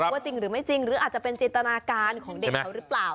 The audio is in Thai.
ว่าจริงหรือไม่จริงหรืออาจจะเป็นจินตนาการของเด็กเขาหรือเปล่า